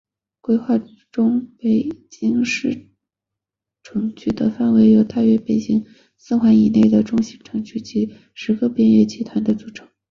规划中北京市城区的范围由大约北京四环路以内的中心城区和十个边缘集团组成。